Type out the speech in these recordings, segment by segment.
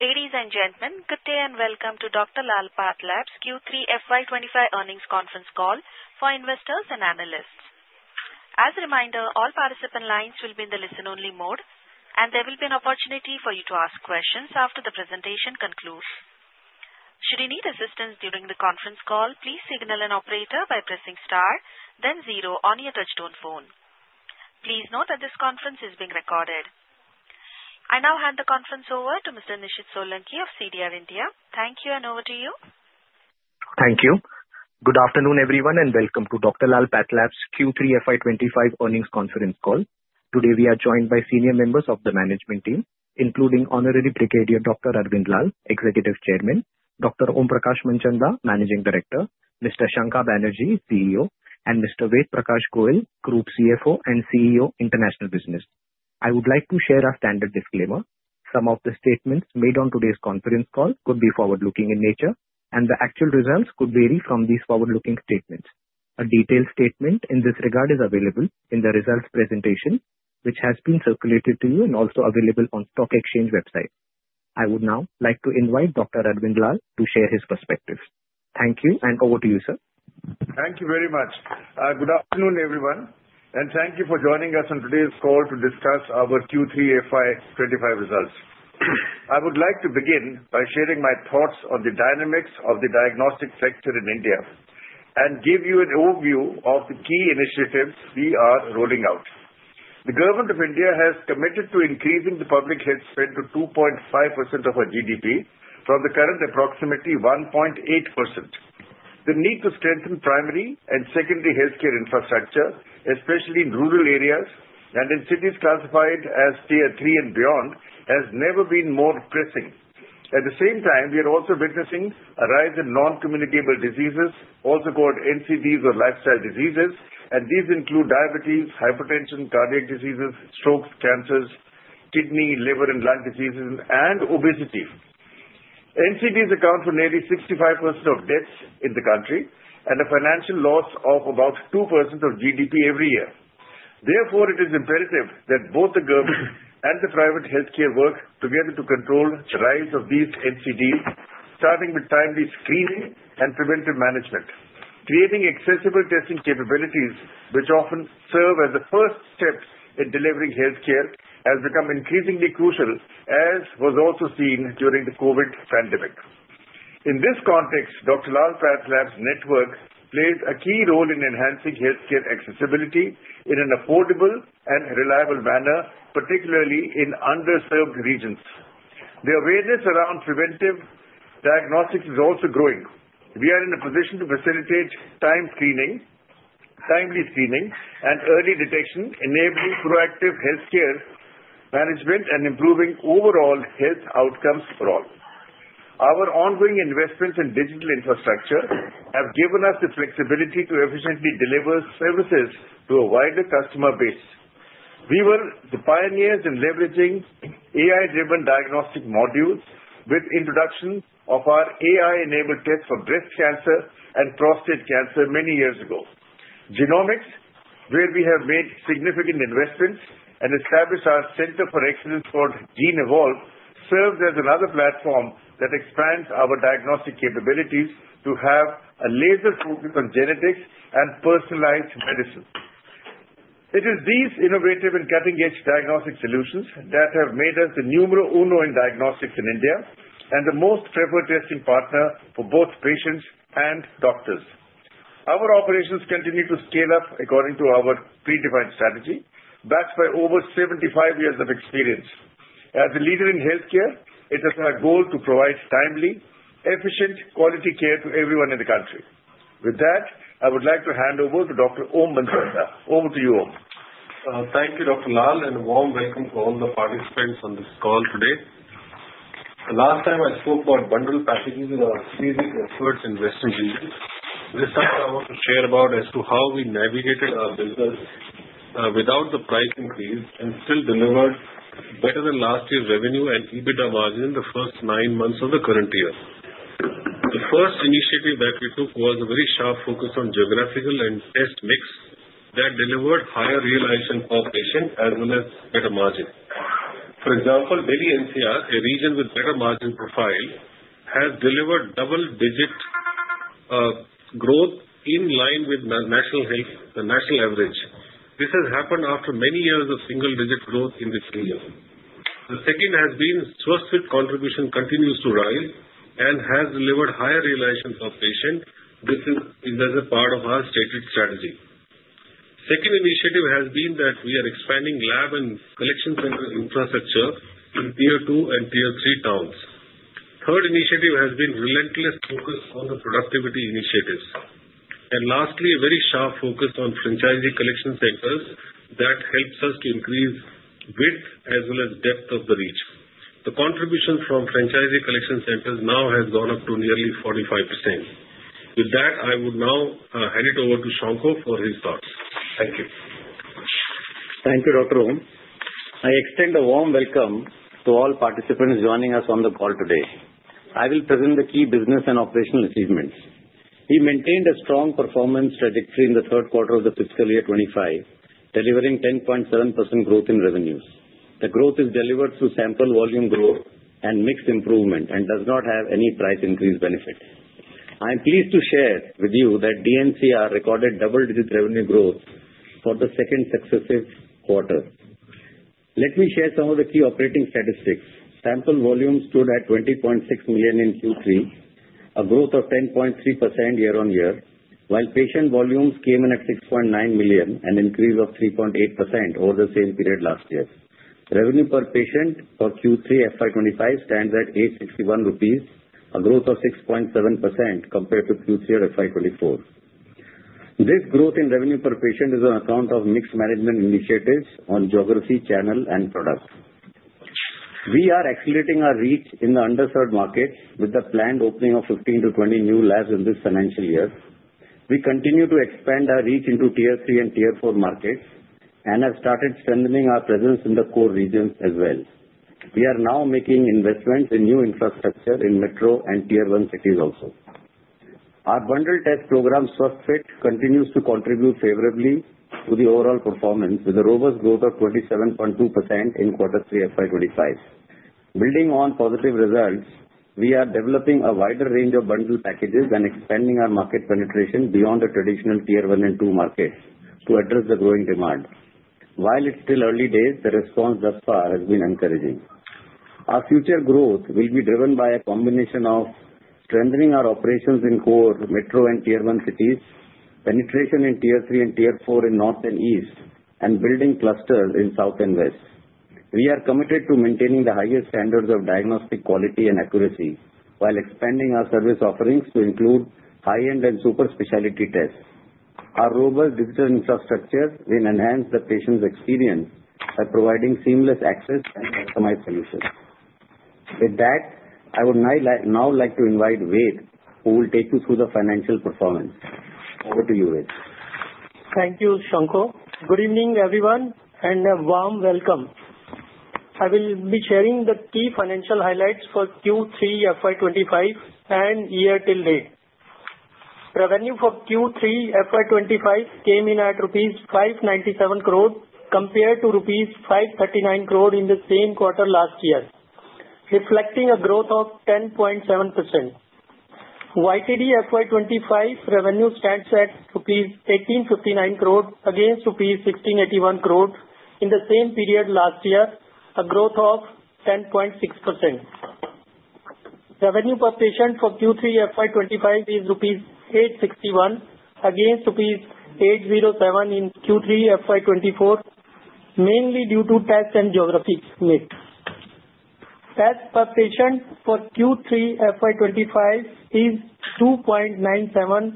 Ladies and gentlemen, good day and welcome to Dr. Lal PathLabs Q3 FY25 earnings conference call for investors and analysts. As a reminder, all participant lines will be in the listen-only mode, and there will be an opportunity for you to ask questions after the presentation concludes. Should you need assistance during the conference call, please signal an operator by pressing star, then zero on your touch-tone phone. Please note that this conference is being recorded. I now hand the conference over to Mr. Nishid Solanki of CDR India. Thank you, and over to you. Thank you. Good afternoon, everyone, and welcome to Dr. Lal PathLabs Q3 FY25 earnings conference call. Today, we are joined by senior members of the management team, including Honorary Brigadier Dr. Arvind Lal, Executive Chairman; Dr. Om Prakash Manchanda, Managing Director; Mr. Shankha Banerjee, CEO; and Mr. Ved Prakash Goel, Group CFO and CEO, International Business. I would like to share a standard disclaimer. Some of the statements made on today's conference call could be forward-looking in nature, and the actual results could vary from these forward-looking statements. A detailed statement in this regard is available in the results presentation, which has been circulated to you and also available on the stock exchange website. I would now like to invite Dr. Arvind Lal to share his perspective. Thank you, and over to you, sir. Thank you very much. Good afternoon, everyone, and thank you for joining us on today's call to discuss our Q3 FY25 results. I would like to begin by sharing my thoughts on the dynamics of the diagnostic sector in India and give you an overview of the key initiatives we are rolling out. The Government of India has committed to increasing the public health spend to 2.5% of GDP from the current approximately 1.8%. The need to strengthen primary and secondary healthcare infrastructure, especially in rural areas and in cities classified as Tier 3 and beyond, has never been more pressing. At the same time, we are also witnessing a rise in non-communicable diseases, also called NCDs or lifestyle diseases, and these include diabetes, hypertension, cardiac diseases, strokes, cancers, kidney, liver, and lung diseases, and obesity. NCDs account for nearly 65% of deaths in the country and a financial loss of about 2% of GDP every year. Therefore, it is imperative that both the government and the private healthcare work together to control the rise of these NCDs, starting with timely screening and preventive management. Creating accessible testing capabilities, which often serve as the first steps in delivering healthcare, has become increasingly crucial, as was also seen during the COVID pandemic. In this context, Dr. Lal PathLabs' network plays a key role in enhancing healthcare accessibility in an affordable and reliable manner, particularly in underserved regions. The awareness around preventive diagnostics is also growing. We are in a position to facilitate timely screening and early detection, enabling proactive healthcare management and improving overall health outcomes for all. Our ongoing investments in digital infrastructure have given us the flexibility to efficiently deliver services to a wider customer base. We were the pioneers in leveraging AI-driven diagnostic modules with the introduction of our AI-enabled tests for breast cancer and prostate cancer many years ago. Genomics, where we have made significant investments and established our center for excellence called GeneEvolve, serves as another platform that expands our diagnostic capabilities to have a laser focus on genetics and personalized medicine. It is these innovative and cutting-edge diagnostic solutions that have made us the numero uno in diagnostics in India and the most preferred testing partner for both patients and doctors. Our operations continue to scale up according to our predefined strategy, backed by over 75 years of experience. As a leader in healthcare, it is our goal to provide timely, efficient, quality care to everyone in the country. With that, I would like to hand over to Dr. Om Manchanda. Over to you, Om. Thank you, Dr. Lal, and a warm welcome to all the participants on this call today. Last time, I spoke about bundled packages in our series of efforts in Western India. This time, I want to share about how we navigated our business without the price increase and still delivered better than last year's revenue and EBITDA margin in the first nine months of the current year. The first initiative that we took was a very sharp focus on geographical and test mix that delivered higher realization per patient as well as better margin. For example, Delhi NCR, a region with better margin profile, has delivered double-digit growth in line with the national average. This has happened after many years of single-digit growth in this region. The second has been Swasthfit contribution continues to rise and has delivered higher realization per patient. This is as a part of our stated strategy. The second initiative has been that we are expanding lab and collection center infrastructure in Tier 2 and Tier 3 towns. The third initiative has been relentless focus on the productivity initiatives. And lastly, a very sharp focus on franchisee collection centers that helps us to increase width as well as depth of the reach. The contribution from franchisee collection centers now has gone up to nearly 45%. With that, I would now hand it over to Shankha for his thoughts. Thank you. Thank you, Dr. Om. I extend a warm welcome to all participants joining us on the call today. I will present the key business and operational achievements. We maintained a strong performance trajectory in the third quarter of the fiscal year 2025, delivering 10.7% growth in revenues. The growth is delivered through sample volume growth and mix improvement and does not have any price increase benefit. I'm pleased to share with you that Delhi NCR recorded double-digit revenue growth for the second successive quarter. Let me share some of the key operating statistics. Sample volumes stood at 20.6 million in Q3, a growth of 10.3% year-on-year, while patient volumes came in at 6.9 million and increased by 3.8% over the same period last year. Revenue per patient for Q3 FY2025 stands at 861 rupees, a growth of 6.7% compared to Q3 FY2024. This growth in revenue per patient is on account of mixed management initiatives on geography, channel, and product. We are accelerating our reach in the underserved markets with the planned opening of 15-20 new labs in this financial year. We continue to expand our reach into Tier 3 and Tier 4 markets and have started strengthening our presence in the core regions as well. We are now making investments in new infrastructure in metro and Tier 1 cities also. Our bundled test program, Swasthfit, continues to contribute favorably to the overall performance with a robust growth of 27.2% in Q3 FY25. Building on positive results, we are developing a wider range of bundled packages and expanding our market penetration beyond the traditional Tier 1 and Tier 2 markets to address the growing demand. While it's still early days, the response thus far has been encouraging. Our future growth will be driven by a combination of strengthening our operations in core metro and Tier 1 cities, penetration in Tier 3 and Tier 4 in north and east, and building clusters in south and west. We are committed to maintaining the highest standards of diagnostic quality and accuracy while expanding our service offerings to include high-end and super specialty tests. Our robust digital infrastructure will enhance the patient's experience by providing seamless access and customized solutions. With that, I would now like to invite Ved Prakash Goel, who will take you through the financial performance. Over to you, Ved. Thank you, Shankha. Good evening, everyone, and a warm welcome. I will be sharing the key financial highlights for Q3 FY25 and year till date. Revenue for Q3 FY25 came in at rupees 597 crore compared to rupees 539 crore in the same quarter last year, reflecting a growth of 10.7%. YTD FY25 revenue stands at INR 1,859 crore against INR 1,681 crore in the same period last year, a growth of 10.6%. Revenue per patient for Q3 FY25 is INR 861 against INR 807 in Q3 FY24, mainly due to test and geography mix. Test per patient for Q3 FY25 is 2.97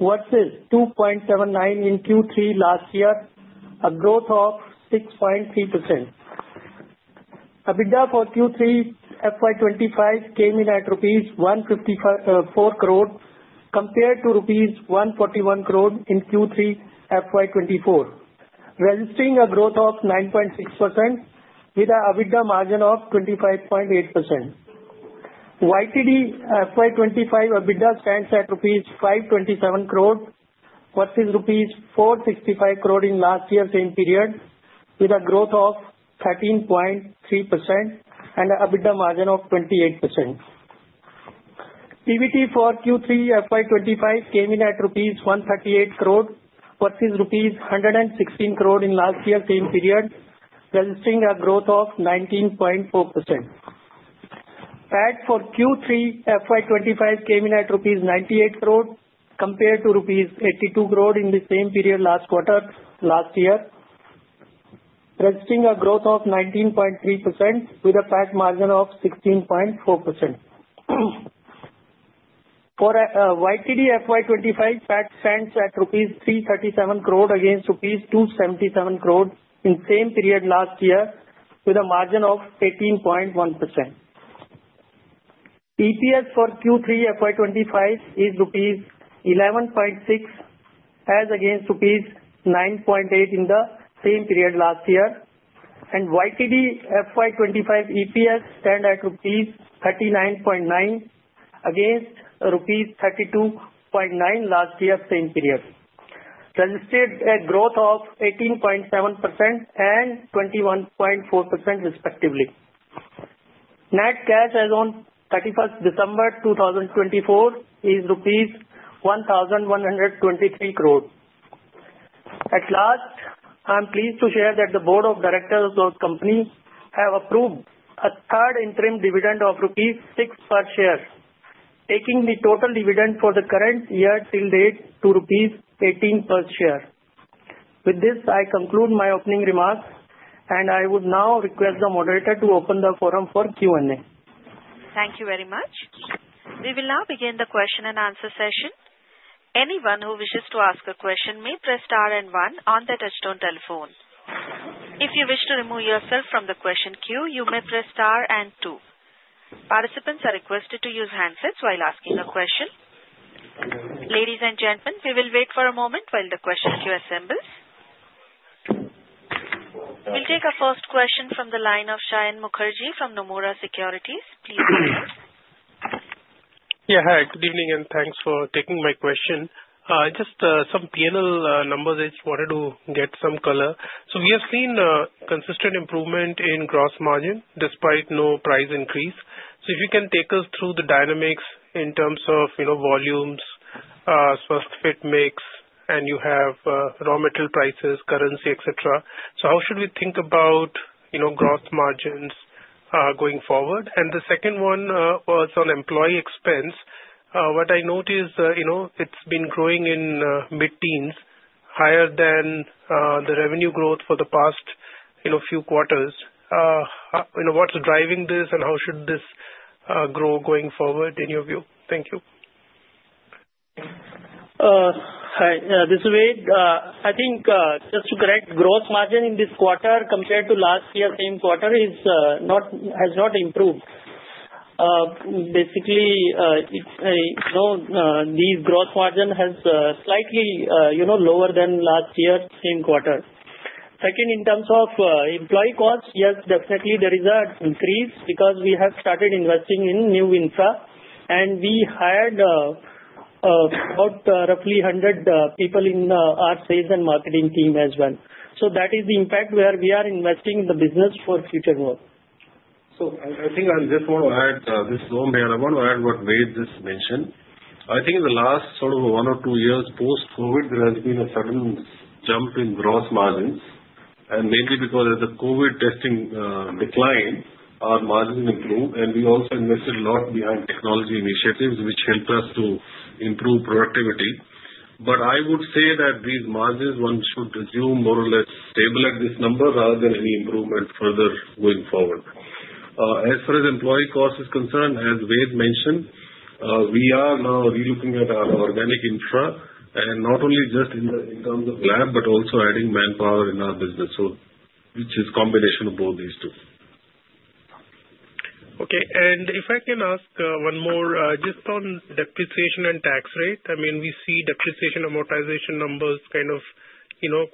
versus 2.79 in Q3 last year, a growth of 6.3%. EBITDA for Q3 FY25 came in at rupees 154 crore compared to rupees 141 crore in Q3 FY24, registering a growth of 9.6% with an EBITDA margin of 25.8%. YTD FY25 EBITDA stands at 527 crore rupees versus Rs. 465 crore in last year's same period, with a growth of 13.3% and an EBITDA margin of 28%. EBIT for Q3 FY25 came in at Rs. 138 crore versus Rs. 116 crore in last year's same period, registering a growth of 19.4%. PAT for Q3 FY25 came in at Rs. 98 crore compared to Rs. 82 crore in the same period last quarter last year, registering a growth of 19.3% with a PAT margin of 16.4%. For YTD FY25, PAT stands at Rs. 337 crore against Rs. 277 crore in the same period last year, with a margin of 18.1%. EPS for Q3 FY25 is Rs. 11.6 as against Rs. 9.8 in the same period last year, and YTD FY25 EPS stands at Rs. 39.9 against Rs. 32.9 last year's same period, registering a growth of 18.7% and 21.4%, respectively. Net cash as of 31st December 2024 is rupees 1,123 crore. At last, I'm pleased to share that the Board of Directors of our company has approved a third interim dividend of rupees 6 per share, taking the total dividend for the current year till date to rupees 18 per share. With this, I conclude my opening remarks, and I would now request the moderator to open the forum for Q&A. Thank you very much. We will now begin the question and answer session. Anyone who wishes to ask a question may press star and one on the touch-tone telephone. If you wish to remove yourself from the question queue, you may press star and two. Participants are requested to use handsets while asking a question. Ladies and gentlemen, we will wait for a moment while the question queue assembles. We'll take a first question from the line of Saion Mukherjee from Nomura Securities. Please go ahead. Yeah, hi. Good evening and thanks for taking my question. Just some P&L numbers, I just wanted to get some color. So we have seen consistent improvement in gross margin despite no price increase. So if you can take us through the dynamics in terms of volumes, Swasthfit mix, and you have raw material prices, currency, et cetera. So how should we think about gross margins going forward? And the second one was on employee expense. What I noticed, it's been growing in mid-teens, higher than the revenue growth for the past few quarters. What's driving this and how should this grow going forward in your view? Thank you. Hi. This is Ved. I think just to correct, gross margin in this quarter compared to last year's same quarter has not improved. Basically, these gross margins are slightly lower than last year's same quarter. Second, in terms of employee costs, yes, definitely there is an increase because we have started investing in new infra, and we hired about roughly 100 people in our sales and marketing team as well. So that is the impact where we are investing in the business for future growth. So I think I just want to add, this is Om, and I want to add what Ved just mentioned. I think in the last sort of one or two years post-COVID, there has been a sudden jump in gross margins. And mainly because of the COVID testing decline, our margins improved, and we also invested a lot behind technology initiatives, which helped us to improve productivity. But I would say that these margins, one should assume more or less stable at this number rather than any improvement further going forward. As far as employee costs are concerned, as Ved mentioned, we are now relooking at our organic infra, and not only just in terms of lab, but also adding manpower in our business, which is a combination of both these two. Okay. If I can ask one more, just on depreciation and tax rate, I mean, we see depreciation amortization numbers kind of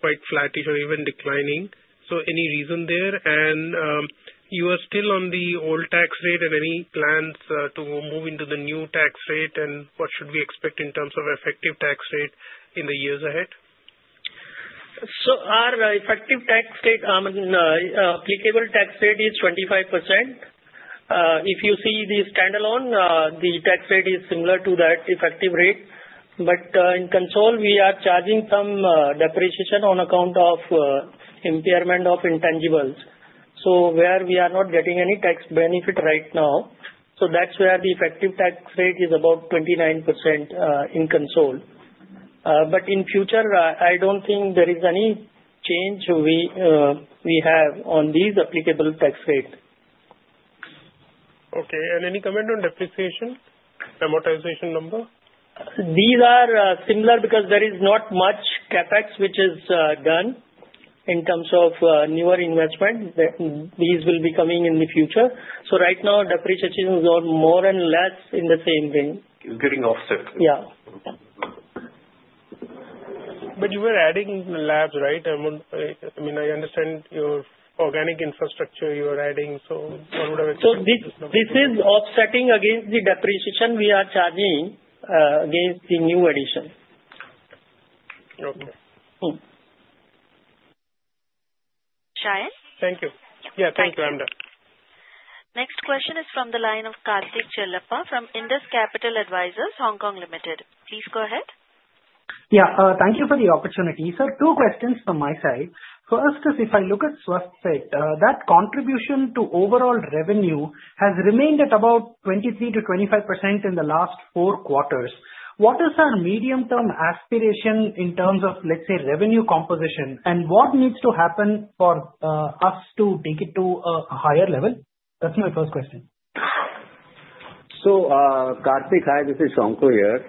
quite flattish or even declining. So any reason there? You are still on the old tax rate, and any plans to move into the new tax rate, and what should we expect in terms of effective tax rate in the years ahead? So our effective tax rate, I mean, applicable tax rate is 25%. If you see the standalone, the tax rate is similar to that effective rate. But in control, we are charging some depreciation on account of impairment of intangibles. So where we are not getting any tax benefit right now. So that's where the effective tax rate is about 29% in control. But in future, I don't think there is any change we have on these applicable tax rates. Okay. Any comment on depreciation amortization number? These are similar because there is not much CapEx which is done in terms of newer investment. These will be coming in the future. So right now, depreciation is more and less in the same thing. Getting offset. Yeah. But you were adding labs, right? I mean, I understand your organic infrastructure you are adding. So what would have expected? This is offsetting against the depreciation we are charging against the new addition. Okay. Saion? Thank you. Yeah, thank you, Amna. Next question is from the line of Karthik Chellappa from Indus Capital Advisors, Hong Kong Limited. Please go ahead. Yeah. Thank you for the opportunity. So two questions from my side. First is, if I look at Swasthfit, that contribution to overall revenue has remained at about 23%-25% in the last four quarters. What is our medium-term aspiration in terms of, let's say, revenue composition, and what needs to happen for us to take it to a higher level? That's my first question. Karthik, hi. This is Shankha here.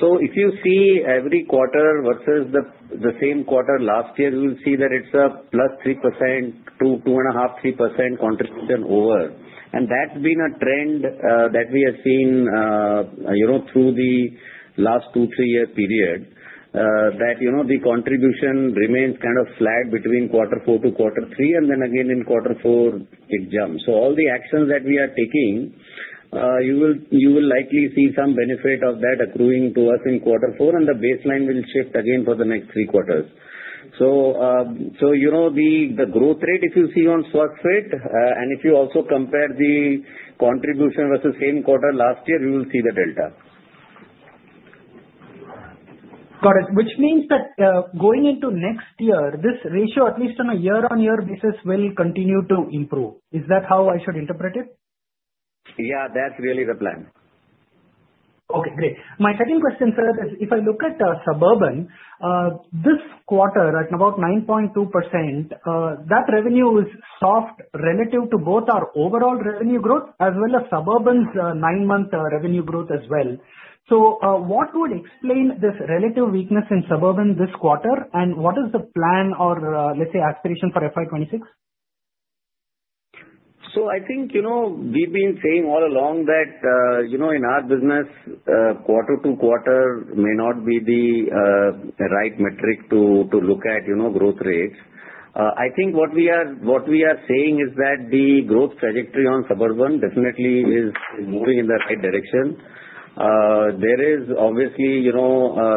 If you see every quarter versus the same quarter last year, you will see that it's a plus 3% to 2.5, 3% contribution over. That's been a trend that we have seen through the last two, three-year period, that the contribution remains kind of flat between quarter four to quarter three, and then again in quarter four, it jumps. So all the actions that we are taking, you will likely see some benefit of that accruing to us in quarter four, and the baseline will shift again for the next three quarters. So the growth rate, if you see on Swasthfit, and if you also compare the contribution versus same quarter last year, you will see the delta. Got it. Which means that going into next year, this ratio, at least on a year-on-year basis, will continue to improve. Is that how I should interpret it? Yeah, that's really the plan. Okay. Great. My second question, sir, is if I look at Suburban, this quarter at about 9.2%, that revenue is soft relative to both our overall revenue growth as well as Suburban's nine-month revenue growth as well. So what would explain this relative weakness in Suburban this quarter, and what is the plan or, let's say, aspiration for FY26? So I think we've been saying all along that in our business, quarter to quarter may not be the right metric to look at growth rates. I think what we are saying is that the growth trajectory on Suburban definitely is moving in the right direction. There is obviously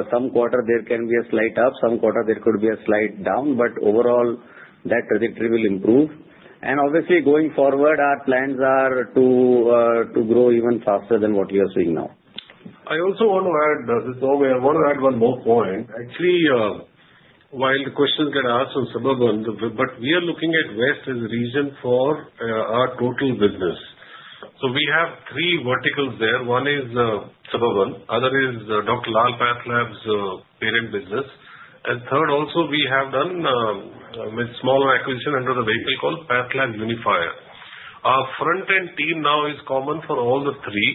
some quarter there can be a slight up, some quarter there could be a slight down, but overall, that trajectory will improve. Obviously, going forward, our plans are to grow even faster than what we are seeing now. I also want to add, this is Om, I want to add one more point. Actually, while the questions get asked on Suburban, but we are looking at West as a region for our total business. So we have three verticals there. One is Suburban. Other is Dr. Lal PathLabs' parent business. Third, also we have done with smaller acquisition under the vehicle called PathLabs Unifier. Our front-end team now is common for all the three,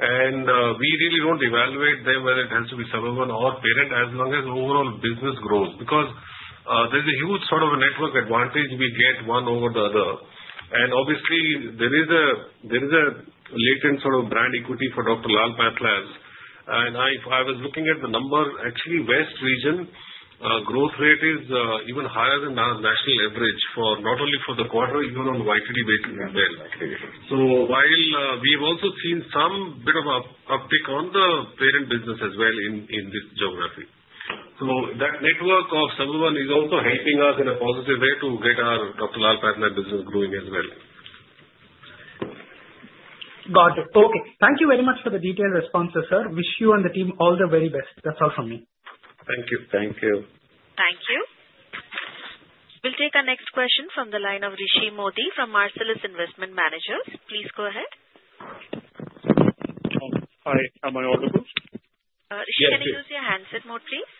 and we really don't evaluate them whether it has to be Suburban or parent as long as overall business grows because there's a huge sort of network advantage we get one over the other. Obviously, there is a latent sort of brand equity for Dr. Lal PathLabs. I was looking at the number. Actually, West region growth rate is even higher than our national average for not only for the quarter, even on YTD basis as well. So while we have also seen some bit of an uptick on the parent business as well in this geography. So that network of Suburban is also helping us in a positive way to get our Dr. Lal PathLabs business growing as well. Got it. Okay. Thank you very much for the detailed responses, sir. Wish you and the team all the very best. That's all from me. Thank you. Thank you. Thank you. We'll take a next question from the line of Rishi Mody from Marcellus Investment Managers. Please go ahead. Hi. Am I audible? Rishi, can you use your handset mode, please?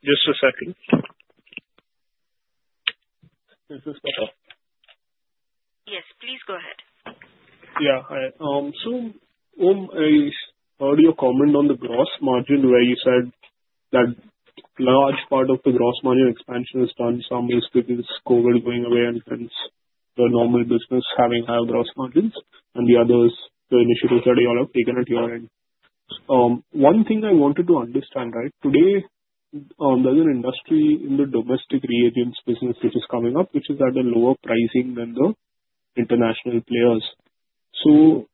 Just a second. Is this better? Yes. Please go ahead. Yeah. So Om, I heard your comment on the gross margin where you said that large part of the gross margin expansion is done in some ways because COVID is going away and hence the normal business having higher gross margins, and the others, the initiatives that you all have taken at your end. One thing I wanted to understand, right? Today, there's an industry in the domestic reagents business which is coming up, which is at a lower pricing than the international players. So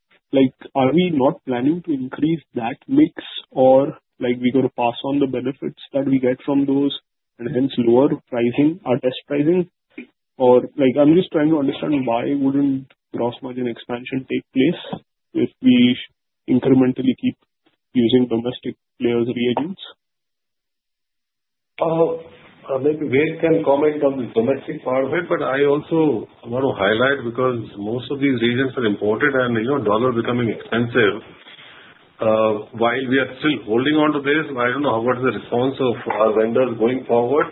are we not planning to increase that mix or we're going to pass on the benefits that we get from those and hence lower pricing our test pricing? Or I'm just trying to understand why wouldn't gross margin expansion take place if we incrementally keep using domestic players' reagents? Maybe Ved can comment on the domestic part of it, but I also want to highlight because most of these reagents are imported and dollars are becoming expensive. While we are still holding on to this, I don't know what the response of our vendors is going forward,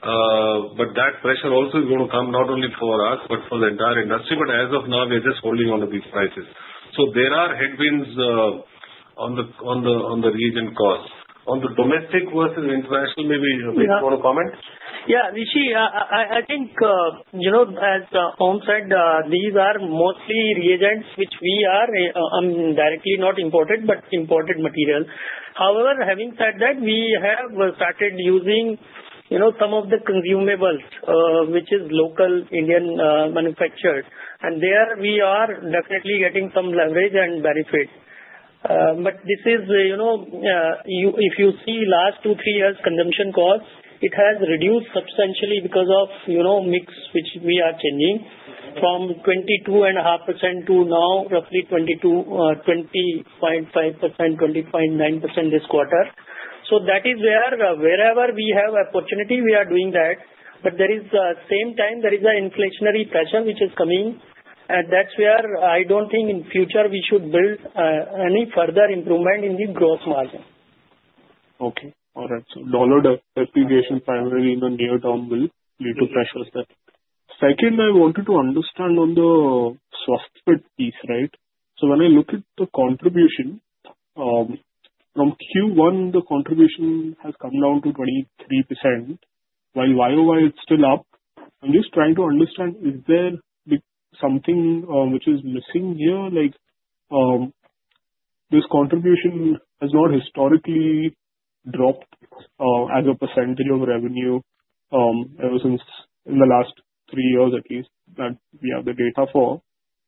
but that pressure also is going to come not only for us but for the entire industry. But as of now, we are just holding on to these prices. So there are headwinds on the reagent cost. On the domestic versus international, maybe Ved want to comment? Yeah. Rishi, I think as Om said, these are mostly reagents which we are directly not imported but imported material. However, having said that, we have started using some of the consumables which are local Indian manufactured. And there we are definitely getting some leverage and benefit. But if you see the last two, three years, consumption cost, it has reduced substantially because of mix which we are changing from 22.5% to now roughly 22.5%, 22.9% this quarter. So that is where, wherever we have opportunity, we are doing that. But at the same time, there is an inflationary pressure which is coming, and that's where I don't think in future we should build any further improvement in the gross margin. Okay. All right. So dollar depreciation primarily in the near term will lead to pressures there. Second, I wanted to understand on the Swasthfit piece, right? So when I look at the contribution from Q1, the contribution has come down to 23%, while YOY is still up. I'm just trying to understand, is there something which is missing here? This contribution has not historically dropped as a percentage of revenue ever since in the last three years at least that we have the data for.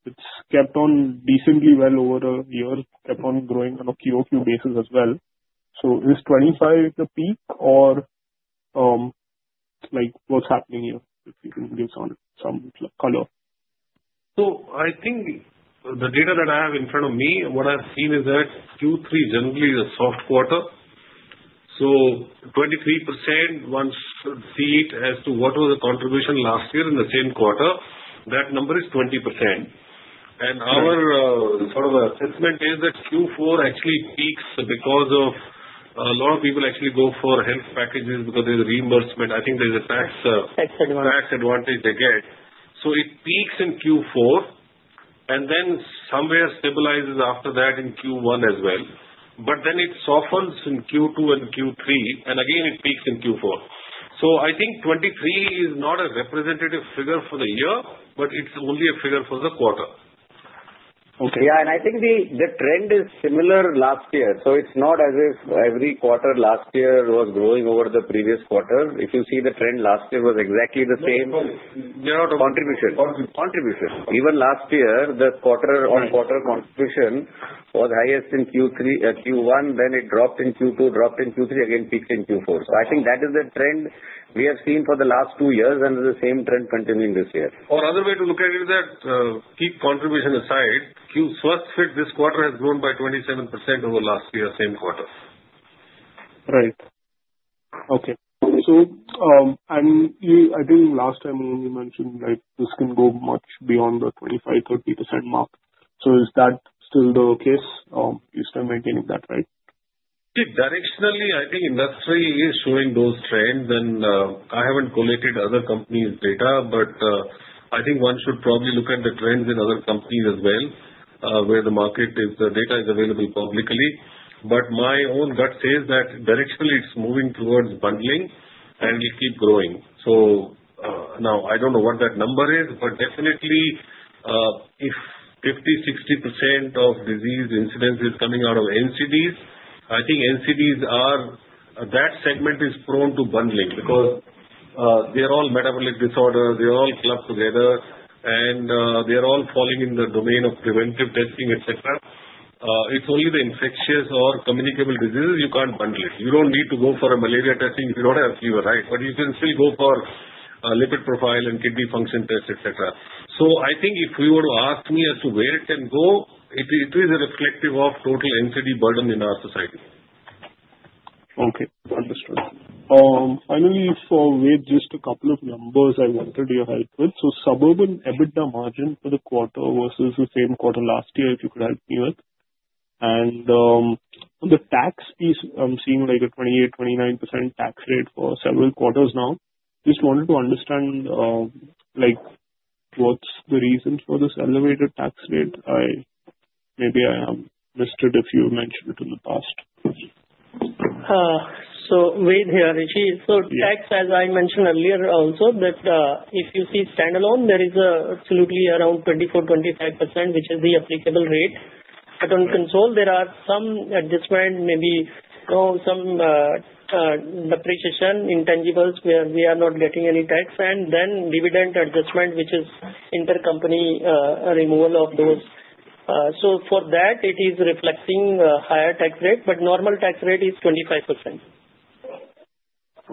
It's kept on decently well over a year, kept on growing on a QOQ basis as well. So is 25 the peak or what's happening here if you can give some color? I think the data that I have in front of me, what I've seen is that Q3 generally is a soft quarter. 23% once you see it as to what was the contribution last year in the same quarter, that number is 20%. Our sort of assessment is that Q4 actually peaks because of a lot of people actually go for health packages because there's reimbursement. I think there's a tax. Tax advantage. Tax advantage they get. So it peaks in Q4, and then somewhere stabilizes after that in Q1 as well. But then it softens in Q2 and Q3, and again it peaks in Q4. So I think 23 is not a representative figure for the year, but it's only a figure for the quarter. Okay. Yeah, and I think the trend is similar last year. So it's not as if every quarter last year was growing over the previous quarter. If you see, the trend last year was exactly the same. They're out of. Contribution. Contribution. Even last year, the quarter-on-quarter contribution was highest in Q1, then it dropped in Q2, dropped in Q3, again peaked in Q4. So I think that is the trend we have seen for the last two years and the same trend continuing this year. Or other way to look at it is that keep contribution aside, Swasthfit this quarter has grown by 27% over last year, same quarter. Right. Okay. So I think last time you mentioned this can go much beyond the 25%-30% mark. So is that still the case? You're still maintaining that, right? Directionally, I think industry is showing those trends, and I haven't collated other companies' data, but I think one should probably look at the trends in other companies as well where the market is the data is available publicly. But my own gut says that directionally it's moving towards bundling and will keep growing. So now I don't know what that number is, but definitely if 50%-60% of disease incidence is coming out of NCDs, I think NCDs are that segment is prone to bundling because they're all metabolic disorders, they're all clubbed together, and they're all falling in the domain of preventive testing, etc. It's only the infectious or communicable diseases you can't bundle. You don't need to go for a malaria testing if you don't have fever, right? But you can still go for a lipid profile and kidney function test, etc. So I think if you were to ask me as to where it can go, it is reflective of total NCD burden in our society. Okay. Understood. Finally, for Ved, just a couple of numbers I wanted your help with. So Suburban EBITDA margin for the quarter versus the same quarter last year, if you could help me with. On the tax piece, I'm seeing like a 28%-29% tax rate for several quarters now. Just wanted to understand what's the reason for this elevated tax rate. Maybe I have missed it if you mentioned it in the past. So, Ved here, Rishi. So, tax, as I mentioned earlier also, that if you see standalone, there is absolutely around 24-25%, which is the applicable rate. But on control, there are some adjustment, maybe some depreciation intangibles where we are not getting any tax, and then dividend adjustment, which is intercompany removal of those. So for that, it is reflecting a higher tax rate, but normal tax rate is 25%.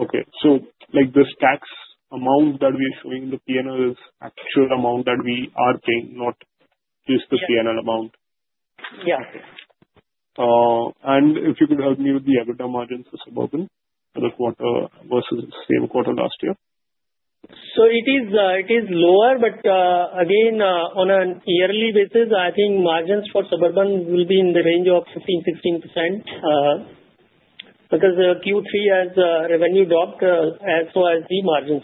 Okay. So this tax amount that we are showing in the P&L is actual amount that we are paying, not just the P&L amount? Yeah. Okay, and if you could help me with the EBITDA margin for Suburban for the quarter versus the same quarter last year? So it is lower, but again, on a yearly basis, I think margins for Suburban will be in the range of 15%-16% because Q3 revenue has dropped as well as the margins.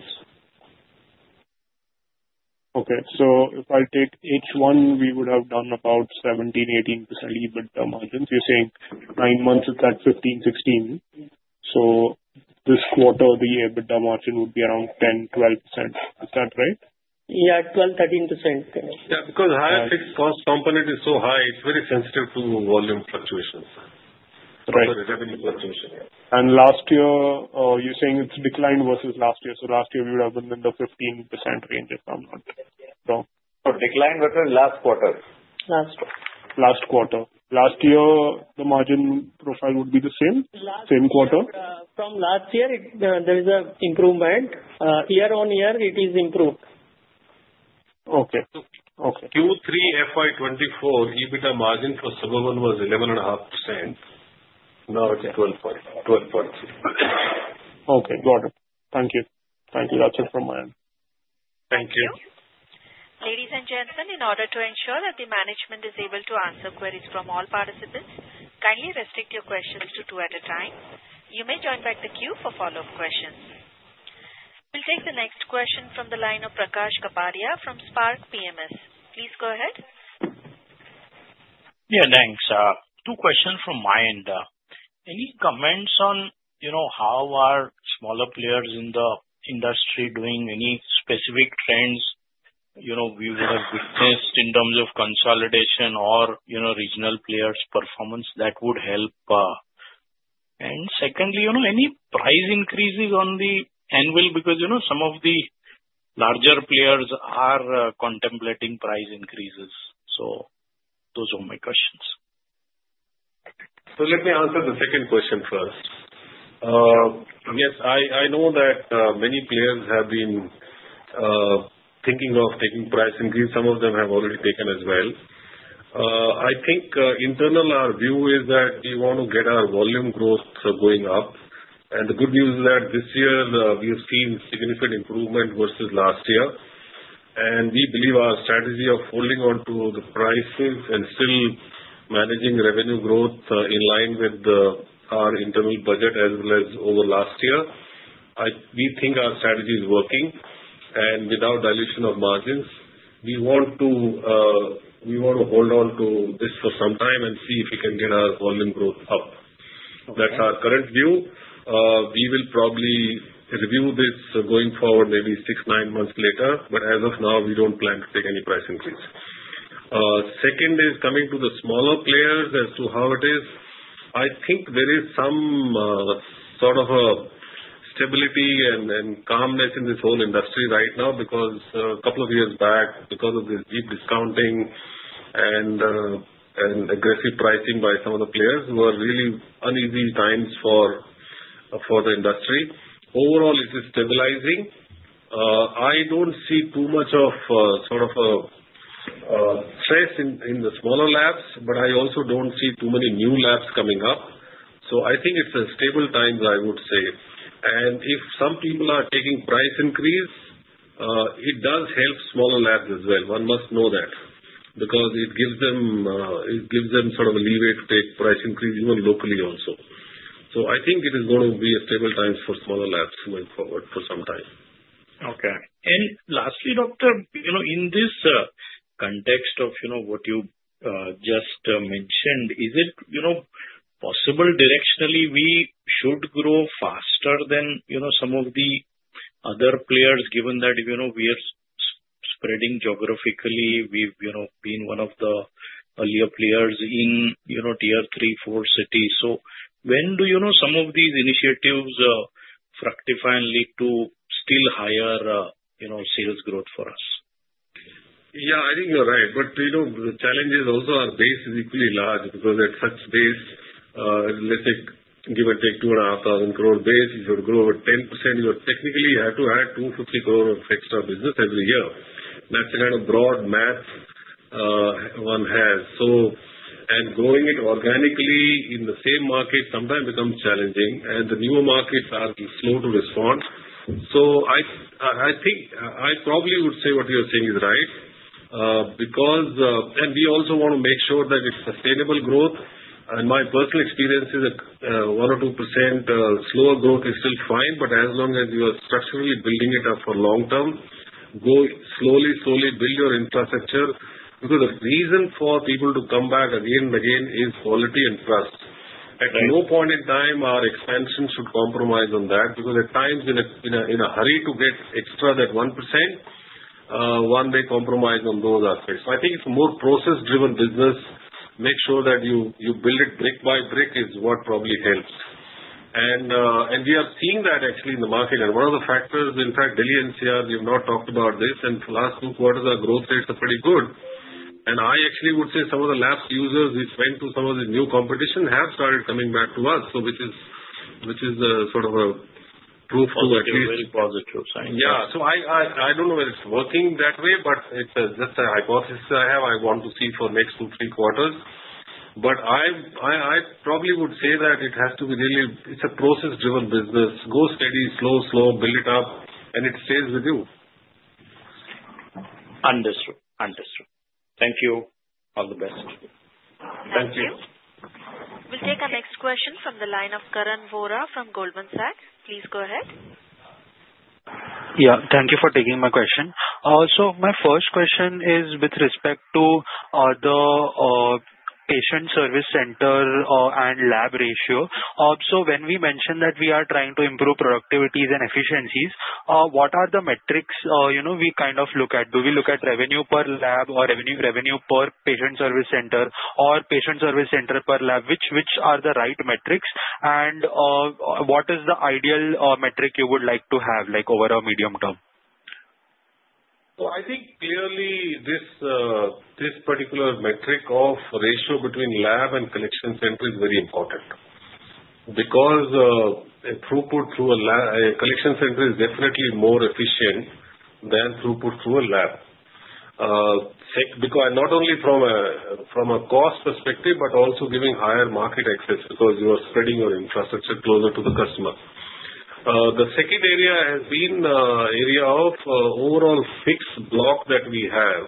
Okay. So if I take H1, we would have done about 17%-18% EBITDA margins. You're saying nine months is at 15%-16%. So this quarter, the EBITDA margin would be around 10%-12%. Is that right? Yeah. 12-13%. Yeah. Because higher fixed cost component is so high, it's very sensitive to volume fluctuations. Right. Revenue fluctuation. Last year, you're saying it's declined versus last year. So last year, we would have been in the 15% range if I'm not wrong. Oh, declined versus last quarter? Last quarter. Last quarter? Last year, the margin profile would be the same? Same quarter? From last year, there is an improvement. Year on year, it is improved. Okay. Okay. Q3 FY24, EBITDA margin for Suburban was 11.5%. Now it's 12.3. Okay. Got it. Thank you. Thank you. That's it from my end. Thank you. Ladies and gentlemen, in order to ensure that the management is able to answer queries from all participants, kindly restrict your questions to two at a time. You may join back the queue for follow-up questions. We'll take the next question from the line of Prakash Kapadia from Spark PMS. Please go ahead. Yeah. Thanks. Two questions from my end. Any comments on how are smaller players in the industry doing? Any specific trends we would have witnessed in terms of consolidation or regional players' performance that would help? Secondly, any price increases on the annual because some of the larger players are contemplating price increases. So those are my questions. So let me answer the second question first. Yes. I know that many players have been thinking of taking price increase. Some of them have already taken as well. I think internally, our view is that we want to get our volume growth going up. The good news is that this year, we have seen significant improvement versus last year. We believe our strategy of holding on to the prices and still managing revenue growth in line with our internal budget as well as over last year, we think our strategy is working. And without dilution of margins, we want to hold on to this for some time and see if we can get our volume growth up. That's our current view. We will probably review this going forward maybe six, nine months later, but as of now, we don't plan to take any price increase. Second is coming to the smaller players as to how it is. I think there is some sort of stability and calmness in this whole industry right now because a couple of years back, because of the deep discounting and aggressive pricing by some of the players, were really uneasy times for the industry. Overall, it is stabilizing. I don't see too much of sort of a stress in the smaller labs, but I also don't see too many new labs coming up, so I think it's a stable time, I would say, and if some people are taking price increase, it does help smaller labs as well. One must know that because it gives them sort of a leeway to take price increase even locally also, so I think it is going to be a stable time for smaller labs going forward for some time. Okay. Lastly, Doctor, in this context of what you just mentioned, is it possible directionally we should grow faster than some of the other players given that we are spreading geographically? We've been one of the earlier players in tier three, four cities. So when do some of these initiatives fructify and lead to still higher sales growth for us? Yeah. I think you're right. But the challenges also are based equally large because at such base, let's say give or take 2,500 crore base, you should grow 10%. You technically have to add 250 crore of extra business every year. That's the kind of broad math one has. Growing it organically in the same market sometimes becomes challenging, and the newer markets are slow to respond. So I think I probably would say what you're saying is right because we also want to make sure that it's sustainable growth. My personal experience is 1%-2% slower growth is still fine, but as long as you are structurally building it up for long term, go slowly, slowly build your infrastructure because the reason for people to come back again and again is quality and trust. At no point in time, our expansion should compromise on that because at times in a hurry to get extra that 1%, one may compromise on those aspects. So I think it's a more process-driven business. Make sure that you build it brick by brick is what probably helps. And we are seeing that actually in the market. And one of the factors, in fact, Delhi NCR, you've not talked about this, and for the last two quarters, our growth rates are pretty good. I actually would say some of the labs users which went to some of the new competition have started coming back to us, which is sort of a proof to at least. That's very positive. Yeah. So I don't know if it's working that way, but it's just a hypothesis I have. I want to see for next two, three quarters. But I probably would say that it has to be really it's a process-driven business. Go steady, slow, slow, build it up, and it stays with you. Understood. Understood. Thank you. All the best. Thank you. We'll take our next question from the line of Karan Vora from Goldman Sachs. Please go ahead. Yeah. Thank you for taking my question. Also, my first question is with respect to the patient service center and lab ratio. Also, when we mention that we are trying to improve productivities and efficiencies, what are the metrics we kind of look at? Do we look at revenue per lab or revenue per patient service center or patient service center per lab? Which are the right metrics? And what is the ideal metric you would like to have over a medium term? So I think clearly this particular metric of ratio between lab and collection center is very important because throughput through a collection center is definitely more efficient than throughput through a lab. Not only from a cost perspective, but also giving higher market access because you are spreading your infrastructure closer to the customer. The second area has been area of overall fixed block that we have.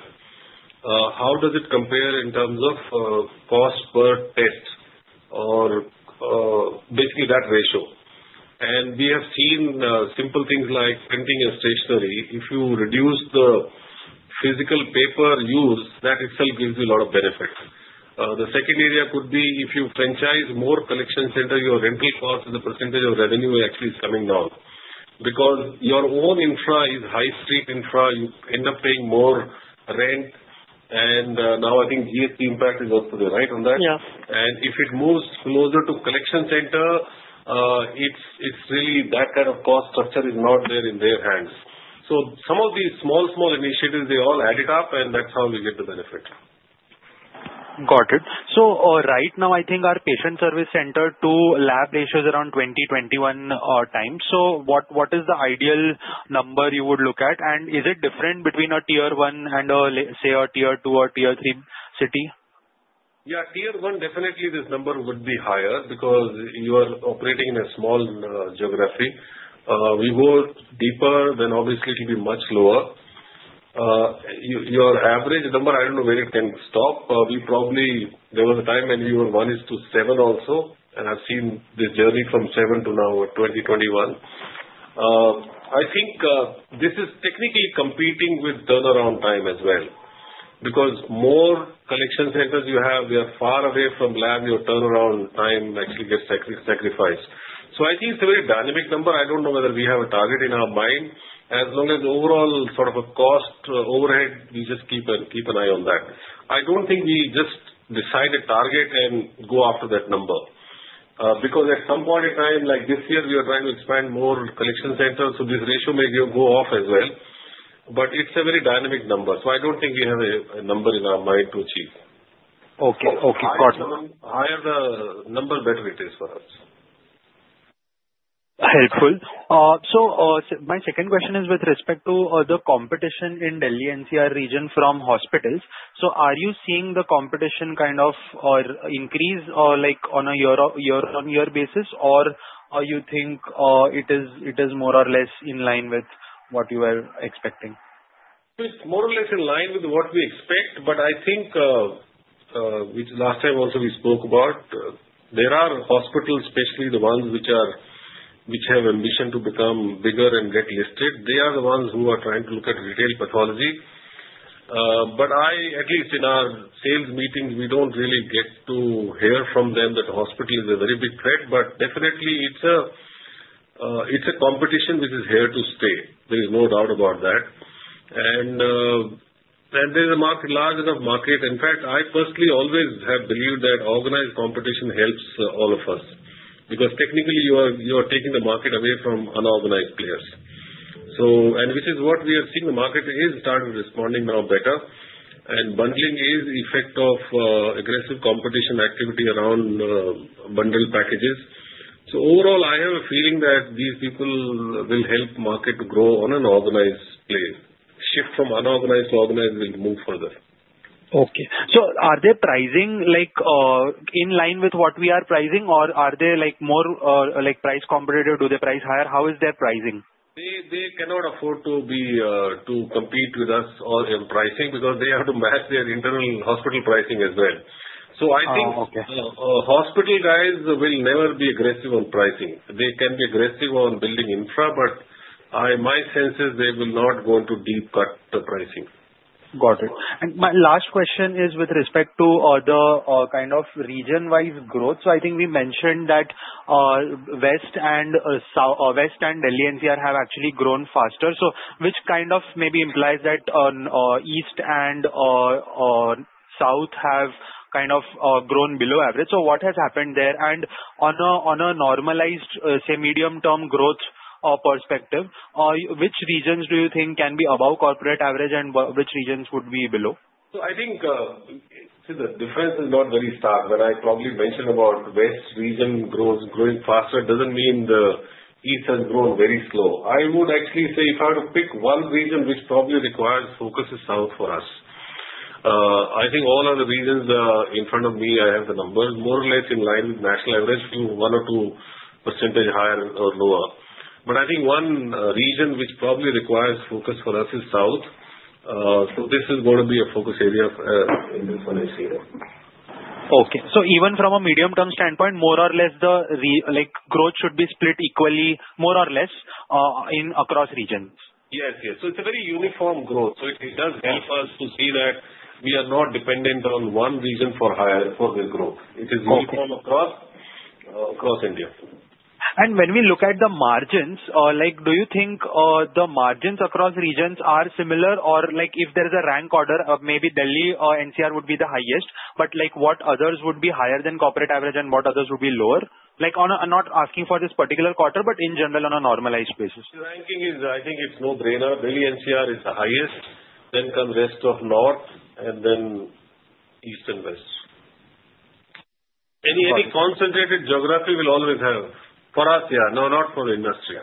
How does it compare in terms of cost per test or basically that ratio? We have seen simple things like printing and stationery. If you reduce the physical paper use, that itself gives you a lot of benefit. The second area could be if you franchise more collection center, your rental cost and the percentage of revenue actually is coming down because your own infra is high street infra. You end up paying more rent. Now I think GST impact is also there, right, on that? Yeah. If it moves closer to collection center, it's really that kind of cost structure is not there in their hands. So some of these small, small initiatives, they all add it up, and that's how we get the benefit. Got it. So right now, I think our patient service center to lab ratio is around 20, 21 times. So what is the ideal number you would look at? Is it different between a Tier 1 and, say, a Tier 2 or Tier 3 city? Yeah. Tier 1, definitely this number would be higher because you are operating in a small geography. We go deeper, then obviously it will be much lower. Your average number, I don't know where it can stop. There was a time when we were managed to seven also, and I've seen the journey from seven to now 2021. I think this is technically competing with turnaround time as well because more collection centers you have, they are far away from lab. Your turnaround time actually gets sacrificed. So I think it's a very dynamic number. I don't know whether we have a target in our mind. As long as overall sort of a cost overhead, we just keep an eye on that. I don't think we just decide a target and go after that number because at some point in time, like this year, we are trying to expand more collection centers. So this ratio may go off as well, but it's a very dynamic number. So I don't think we have a number in our mind to achieve. Okay. Okay. Got it. The higher the number, the better it is for us. Helpful. So my second question is with respect to the competition in Delhi NCR region from hospitals. So are you seeing the competition kind of increase on a year-on-year basis, or you think it is more or less in line with what you are expecting? It's more or less in line with what we expect, but I think last time also we spoke about, there are hospitals, especially the ones which have ambition to become bigger and get listed. They are the ones who are trying to look at retail pathology. But at least in our sales meetings, we don't really get to hear from them that hospital is a very big threat, but definitely it's a competition which is here to stay. There is no doubt about that. There is a large enough market. In fact, I personally always have believed that organized competition helps all of us because technically you are taking the market away from unorganized players. Which is what we are seeing the market has started responding now better, and bundling is the effect of aggressive competition activity around bundle packages. So overall, I have a feeling that these people will help the market to grow on an organized play. Shift from unorganized to organized will move further. Okay, so are they pricing in line with what we are pricing, or are they more price competitive? Do they price higher? How is their pricing? They cannot afford to compete with us in pricing because they have to match their internal hospital pricing as well. So I think hospital guys will never be aggressive on pricing. They can be aggressive on building infra, but my sense is they will not go into deep cut the pricing. Got it. My last question is with respect to the kind of region-wide growth. So I think we mentioned that West and Delhi NCR have actually grown faster. So which kind of maybe implies that East and South have kind of grown below average? So what has happened there? On a normalized, say, medium-term growth perspective, which regions do you think can be above corporate average, and which regions would be below? So I think the difference is not very stark. When I probably mentioned about West region growing faster, it doesn't mean the East has grown very slow. I would actually say if I were to pick one region which probably requires focus is South for us. I think all other regions in front of me, I have the numbers more or less in line with national average, one or two percentage higher or lower. But I think one region which probably requires focus for us is South. So this is going to be a focus area in this financial year. Okay. So even from a medium-term standpoint, more or less the growth should be split equally, more or less, across regions? Yes. Yes. So it's a very uniform growth. So it does help us to see that we are not dependent on one region for the growth. It is uniform across India. When we look at the margins, do you think the margins across regions are similar? Or if there's a rank order, maybe Delhi and NCR would be the highest, but what others would be higher than corporate average, and what others would be lower? I'm not asking for this particular quarter, but in general, on a normalized basis. Ranking is, I think, it's no brainer. Delhi NCR is the highest. Then come rest of North, and then East and West. Any concentrated geography will always have for us, yeah. No, not for industry.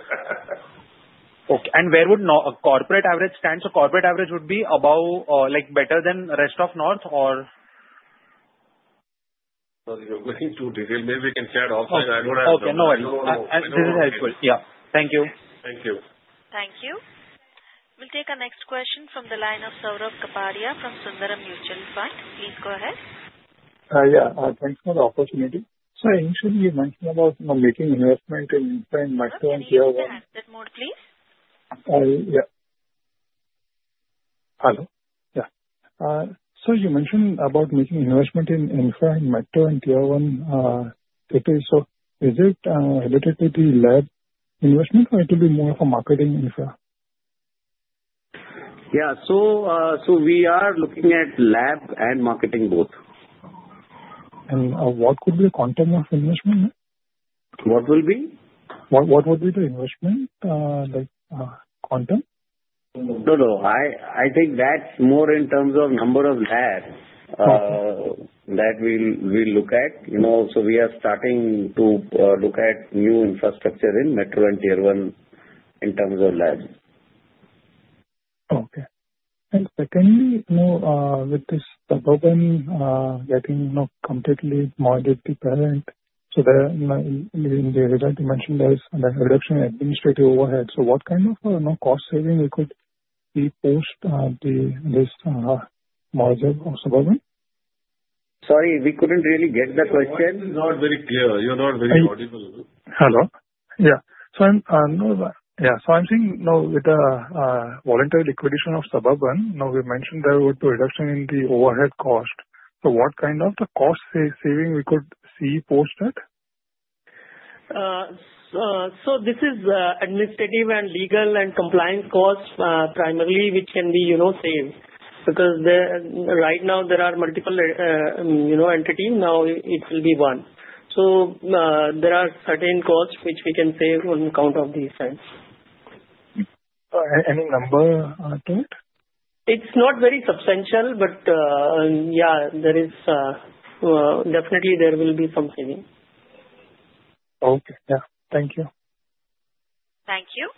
Okay. Where would corporate average stand? So corporate average would be better than rest of North, or? Sorry, you're going too detailed. Maybe we can share offline. I don't have the. Okay. No worries. This is helpful. Yeah. Thank you. Thank you. Thank you. We'll take our next question from the line of Saurabh Kapadia from Sundaram Mutual Fund. Please go ahead. Yeah. Thanks for the opportunity. So initially, you mentioned about making investment in infra and tier one. Yes. Yes. That mode, please. So you mentioned about making investment in infra and tier one. So is it a lab investment, or it will be more of a marketing infra? Yeah, so we are looking at lab and marketing both. What could be the content of investment? What will be? What would be the investment content? No, no. I think that's more in terms of number of labs that we'll look at. So we are starting to look at new infrastructure in metro and Tier 1 in terms of labs. Okay. Secondly, with this governance getting completely more dependent, so the result you mentioned is reduction in administrative overhead. So what kind of cost saving could be post this merger of Suburban? Sorry, we couldn't really get the question. Not very clear. You're not very audible. Hello? Yeah. So I'm saying with the voluntary liquidation of Suburban, we mentioned there would be reduction in the overhead cost. So what kind of cost saving we could see post that? So this is administrative and legal and compliance costs primarily, which can be saved because right now there are multiple entities. Now it will be one. So there are certain costs which we can save on account of these things. Any number to it? It's not very substantial, but yeah, there is definitely. There will be some saving. Okay. Yeah. Thank you. Thank you.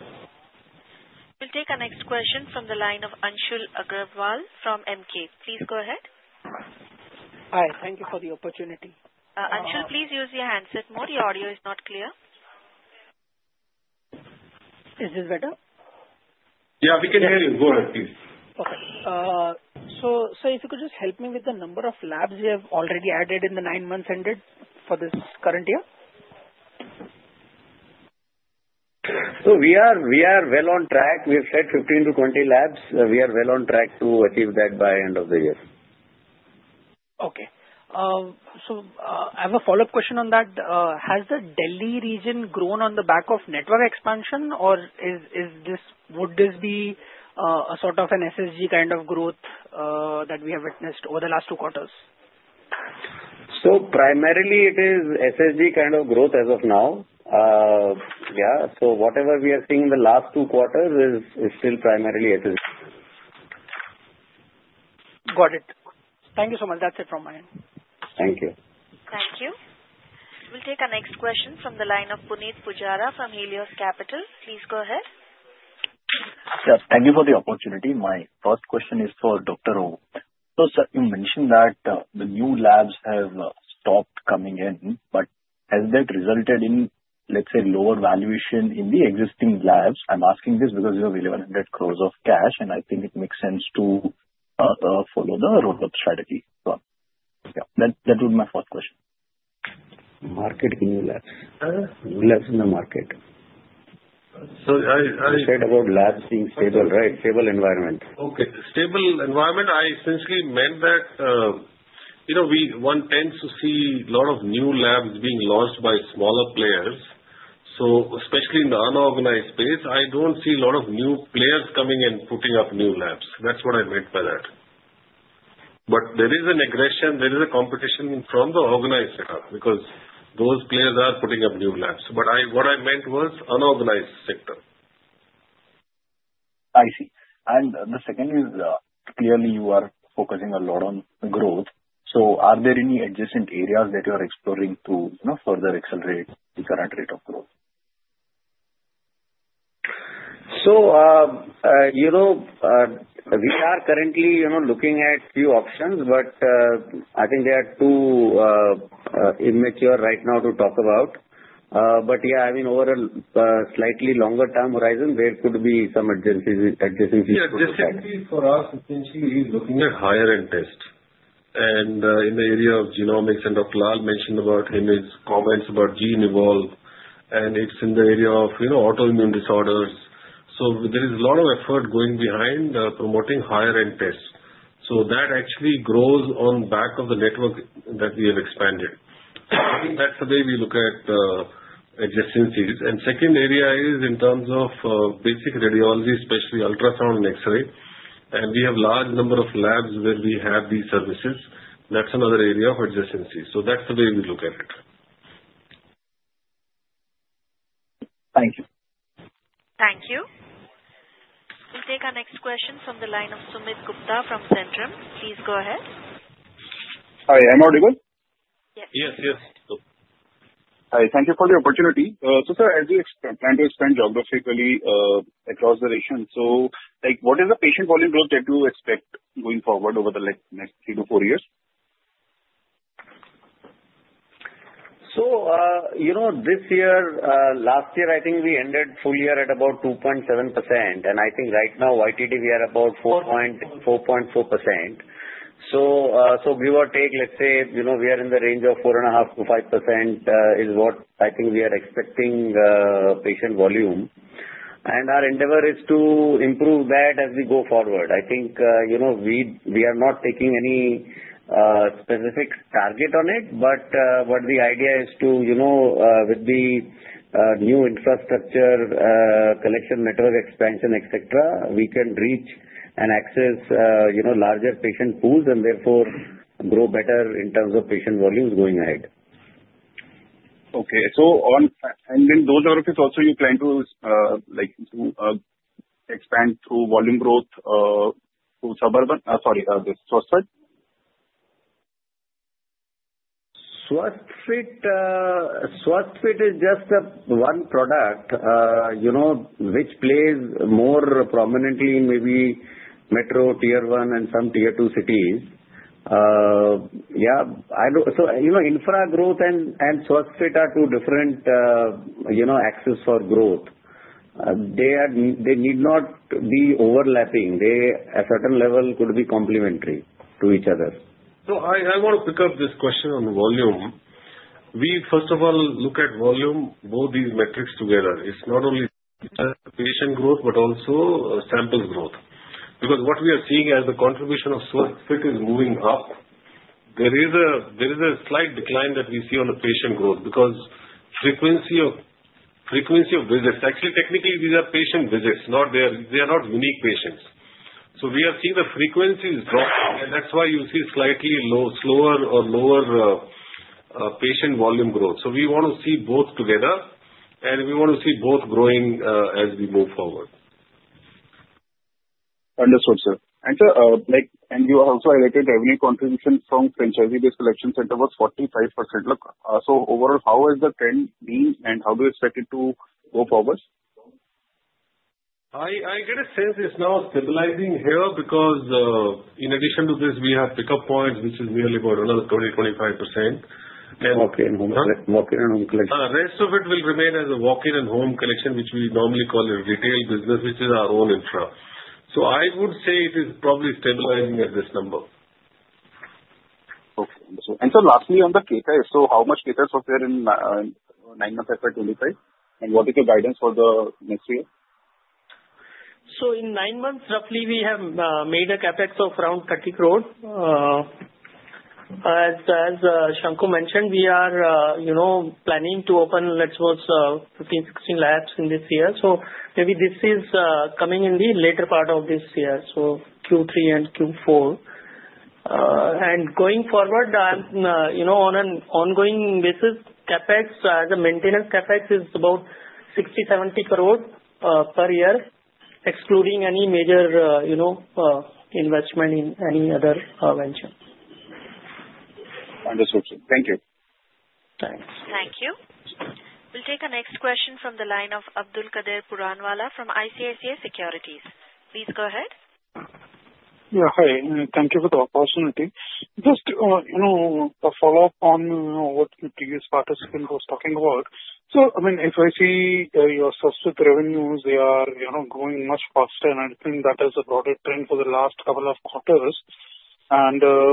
We'll take our next question from the line of Anshul Agrawal from Emkay. Please go ahead. Hi. Thank you for the opportunity. Anshul, please use your handset mode. Your audio is not clear. Is this better? Yeah. We can hear you. Go ahead, please. Okay, so if you could just help me with the number of labs we have already added in the nine months ended for this current year. So we are well on track. We have said 15-20 labs. We are well on track to achieve that by end of the year. Okay. So I have a follow-up question on that. Has the Delhi region grown on the back of network expansion, or would this be a sort of an SSG kind of growth that we have witnessed over the last two quarters? So primarily, it is SSG kind of growth as of now. Yeah. So whatever we are seeing in the last two quarters is still primarily SSG. Got it. Thank you so much. That's it from my end. Thank you. Thank you. We'll take our next question from the line of Punit Pujara from Helios Capital. Please go ahead. Yes. Thank you for the opportunity. My first question is for Dr. Om. So you mentioned that the new labs have stopped coming in, but has that resulted in, let's say, lower valuation in the existing labs? I'm asking this because you have 1,100 crore of cash, and I think it makes sense to follow the road strategy. Yeah. That would be my first question. Market in new labs? Labs in the market. So I said about labs being stable, right? Stable environment. Okay. Stable environment. I essentially meant that we tend to see a lot of new labs being launched by smaller players. So especially in the unorganized space, I don't see a lot of new players coming and putting up new labs. That's what I meant by that. But there is an aggression. There is a competition from the organized sector because those players are putting up new labs. But what I meant was unorganized sector. I see. The second is clearly you are focusing a lot on growth. So are there any adjacent areas that you are exploring to further accelerate the current rate of growth? So we are currently looking at a few options, but I think there are too immature right now to talk about. But yeah, I mean, over a slightly longer term horizon, there could be some adjacencies. Yeah. Adjacencies for us essentially is looking at higher-end tests. In the area of genomics, and Dr. Lal mentioned about him, his comments about GeneEvolve, and it's in the area of autoimmune disorders. So there is a lot of effort going behind promoting higher-end tests. So that actually grows on the back of the network that we have expanded. I think that's the way we look at adjacencies. Second area is in terms of basic radiology, especially ultrasound and X-ray. We have a large number of labs where we have these services. That's another area of adjacencies. So that's the way we look at it. Thank you. Thank you. We'll take our next question from the line of Sumit Gupta from Centrum. Please go ahead. Hi. Am I audible? Yes. Yes. Yes. Hi. Thank you for the opportunity. So sir, as you plan to expand geographically across the region, so what is the patient volume growth that you expect going forward over the next three to four years? This year, last year, I think we ended full year at about 2.7%. I think right now, YTD, we are about 4.4%. Give or take, let's say we are in the range of 4.5%-5% is what I think we are expecting patient volume. Our endeavor is to improve that as we go forward. I think we are not taking any specific target on it, but the idea is to, with the new infrastructure collection, network expansion, etc., we can reach and access larger patient pools and therefore grow better in terms of patient volumes going ahead. Okay. In those areas, also, you plan to expand through volume growth to Suburban? Sorry, Swasthfit? Swasthfit is just one product which plays more prominently in maybe metro, tier one, and some tier two cities. Yeah. So infra growth and Swasthfit are two different axes for growth. They need not be overlapping. They, at a certain level, could be complementary to each other. So I want to pick up this question on volume. We, first of all, look at volume, both these metrics together. It's not only patient growth, but also sample growth. Because what we are seeing as the contribution of Swasthift is moving up, there is a slight decline that we see on the patient growth because frequency of visits. Actually, technically, these are patient visits. They are not unique patients. So we are seeing the frequency is dropping, and that's why you see slightly slower or lower patient volume growth. So we want to see both together, and we want to see both growing as we move forward. Understood, sir. Sir, you also allocated revenue contribution from franchisee-based collection center was 45%. So overall, how has the trend been, and how do you expect it to go forward? I get a sense it's now stabilizing here because in addition to this, we have pickup points, which is nearly about another 20%-25%. Walk-in home collection. The rest of it will remain as a walk-in and home collection, which we normally call a retail business, which is our own infra. So I would say it is probably stabilizing at this number. Okay. Sir, lastly, on the CapEx, so how much CapEx was there in nine months after 25, and what is your guidance for the next year? In nine months, roughly, we have made a CapEx of around 30 crores. As Shankha mentioned, we are planning to open, let's say, 15-16 labs in this year. So maybe this is coming in the later part of this year, so Q3 and Q4. And going forward, on an ongoing basis, CapEx as a maintenance CapEx is about 60-70 crores per year, excluding any major investment in any other venture. Understood, sir. Thank you. Thanks. Thank you. We'll take our next question from the line of Abdulkader Puranwala from ICICI Securities. Please go ahead. Yeah. Hi. Thank you for the opportunity. Just a follow-up on what the previous participant was talking about. So I mean, if I see your Swasthfit revenues, they are growing much faster, and I think that is a broader trend for the last couple of quarters.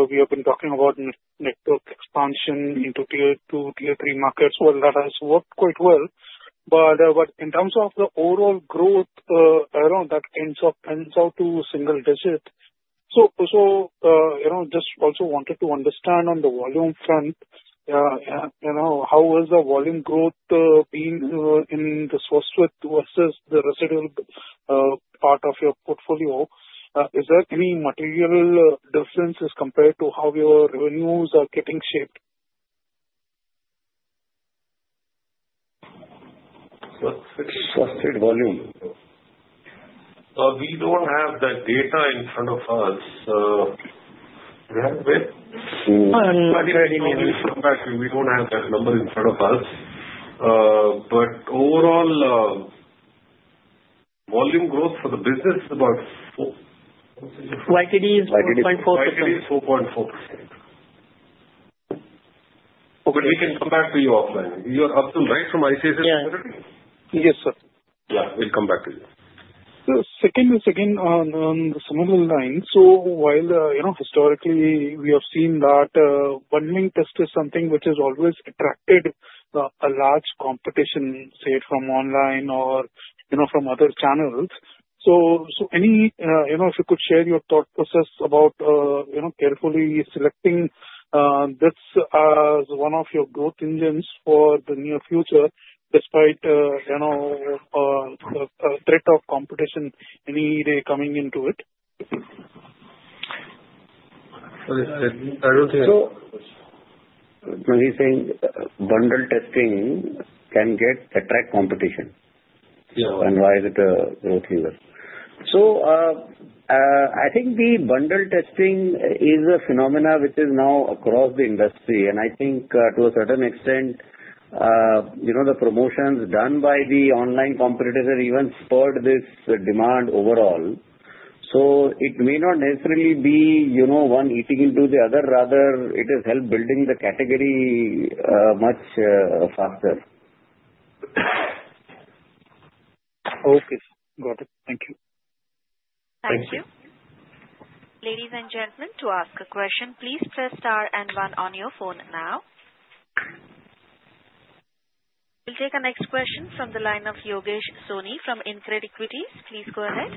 We have been talking about network expansion into tier two, tier three markets. Well, that has worked quite well. But in terms of the overall growth, that tends to end up to single digit. So just also wanted to understand on the volume front, how is the volume growth being in the Swasthfit versus the residual part of your portfolio? Is there any material difference as compared to how your revenues are getting shaped? Swasthfit volume? We don't have that data in front of us. We have it? Not in any way. We don't have that number in front of us. But overall, volume growth for the business is about. YTD is 4.4%. YTD is 4.4%. But we can come back to you offline. You're answering right from ICICI Securities? Yes. Yes, sir. Yeah. We'll come back to you. Second is again along similar lines. While historically, we have seen that bundled test is something which has always attracted a large competition, say, from online or from other channels. If you could share your thought process about carefully selecting this as one of your growth engines for the near future, despite a threat of competition any day coming into it. I don't think I answered your question. When you're saying bundle testing can attract competition, and why is it a growth lever? So I think the bundle testing is a phenomenon which is now across the industry. I think to a certain extent, the promotions done by the online competitors have even spurred this demand overall. So it may not necessarily be one eating into the other. Rather, it has helped building the category much faster. Okay. Got it. Thank you. Thank you. Ladies and gentlemen, to ask a question, please press star and one on your phone now. We'll take our next question from the line of Yogesh Soni from InCred Equities. Please go ahead.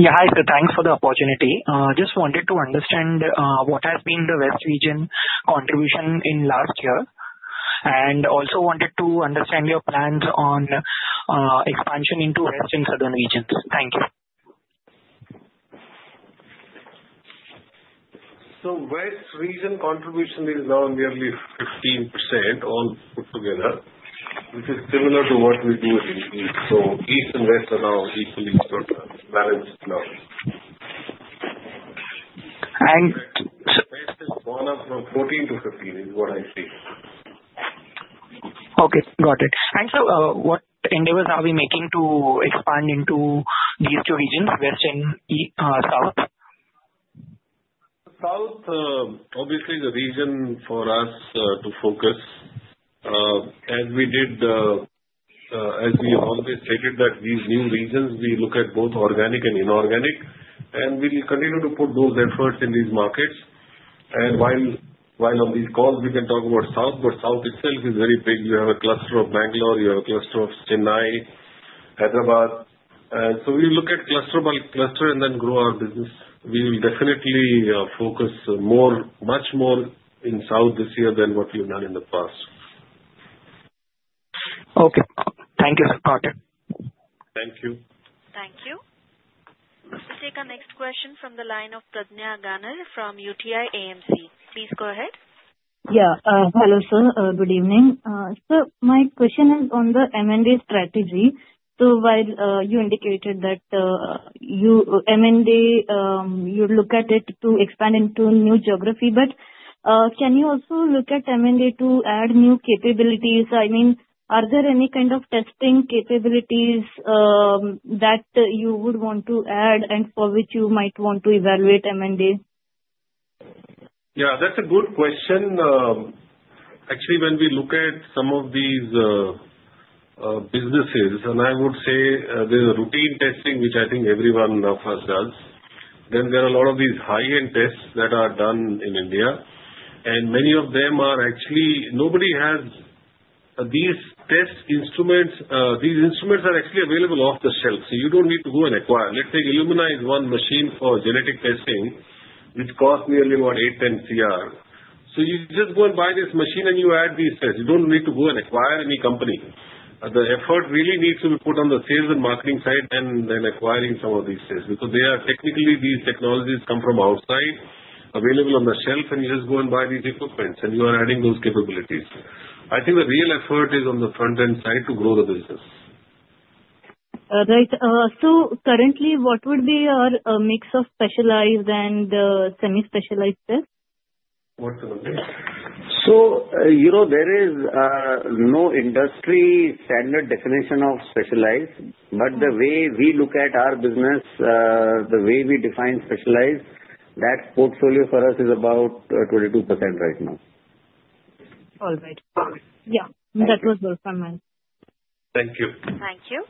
Yeah. Hi, sir. Thanks for the opportunity. Just wanted to understand what has been the West region contribution in last year, and also wanted to understand your plans on expansion into West and Southern regions? Thank you. So West region contribution is now nearly 15% all put together, which is similar to what we do in the East. So East and West are now equally balanced now. And West is going up from 14%-15% is what I see. Okay. Got it. Sir, what endeavors are we making to expand into these two regions, West and South? South, obviously, is a region for us to focus. As we did, as we have always stated, that these new regions, we look at both organic and inorganic. We'll continue to put those efforts in these markets, and while on these calls, we can talk about South, but South itself is very big. You have a cluster of Bangalore. You have a cluster of Chennai, Hyderabad. So we look at cluster by cluster and then grow our business. We will definitely focus much more in South this year than what we've done in the past. Okay. Thank you. Got it. Thank you. Thank you. We'll take our next question from the line of Pradnya Ganar from UTI AMC. Please go ahead. Yeah. Hello, sir. Good evening. Sir, my question is on the M&A strategy, so while you indicated that M&A, you'd look at it to expand into new geography, but can you also look at M&A to add new capabilities? I mean, are there any kind of testing capabilities that you would want to add and for which you might want to evaluate M&A? Yeah. That's a good question. Actually, when we look at some of these businesses, and I would say there's a routine testing, which I think every one of us does. Then there are a lot of these high-end tests that are done in India. Many of them are actually nobody has these test instruments. These instruments are actually available off the shelf. So you don't need to go and acquire. Let's say Illumina is one machine for genetic testing, which costs nearly about 8-10 crore. So you just go and buy this machine, and you add these tests. You don't need to go and acquire any company. The effort really needs to be put on the sales and marketing side and then acquiring some of these tests. Because technically, these technologies come from outside, available on the shelf, and you just go and buy this equipment, and you are adding those capabilities. I think the real effort is on the front-end side to grow the business. Right. So currently, what would be your mix of specialized and semi-specialized tests? What's the number? So there is no industry standard definition of specialized. But the way we look at our business, the way we define specialized, that portfolio for us is about 22% right now. All right. Yeah. That was all from me. Thank you. Thank you.